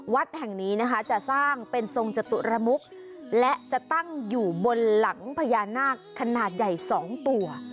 วัดแห่งนี้นะคะจะสร้างเป็นทรงจตุรมุกและจะตั้งอยู่บนหลังพญานาคขนาดใหญ่๒ตัว